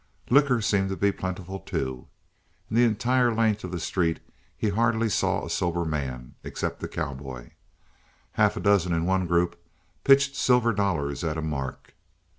Liquor seemed to be plentiful, too. In the entire length of the street he hardly saw a sober man, except the cowboy. Half a dozen in one group pitched silver dollars at a mark.